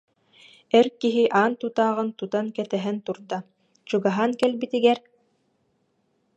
Эр киһи аан тутааҕын тутан кэтэһэн турда, чугаһаан кэлбитигэр: